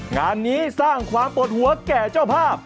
งานนี้สร้างความปวดหัวแก่เจ้าภาพ